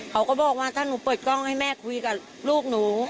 เขาก็บอกว่าถ้าหนูเปิดกล้องให้แม่คุยกับลูกหนู